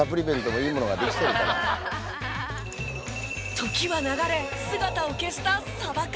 時は流れ姿を消したサバ缶。